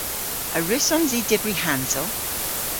A wrussons i dybri hansel?